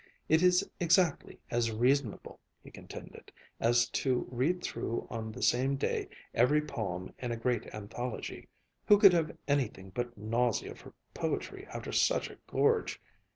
"It is exactly as reasonable," he contended, "as to read through on the same day every poem in a great anthology. Who could have anything but nausea for poetry after such a gorge?